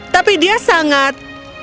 tapi dia sangat